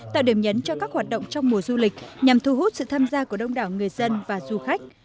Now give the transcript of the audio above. tạo điểm nhấn cho các hoạt động trong mùa du lịch nhằm thu hút sự tham gia của đông đảo người dân và du khách